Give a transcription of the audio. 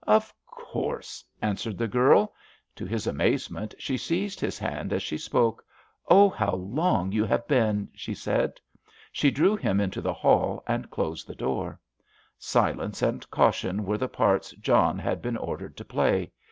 "Of course," answered the girl. To his amazement, she seized his hand as she spoke. "Oh, how long you have been!" she said. She drew him into the hall and closed the door. Silence and caution were the parts John had been ordered to play.